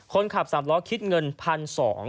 คนขับสามล้อคิดเงิน๑๒๐๐บาท